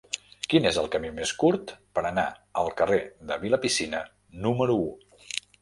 Quin és el camí més curt per anar al carrer de Vilapicina número u?